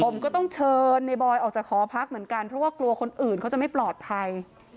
ผมก็ต้องเชิญในบอยออกจากหอพักเหมือนกันเพราะว่ากลัวคนอื่นเขาจะไม่ปลอดภัย